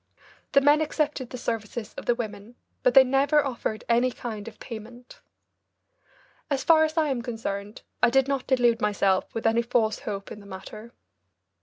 The men accepted the services of the women, but they never offered any kind of payment. As far as I am concerned, I did not delude myself with any false hopes in the matter.